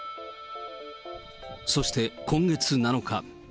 そして今月７日。